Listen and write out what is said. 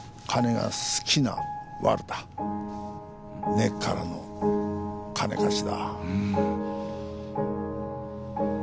根っからの金貸しだ。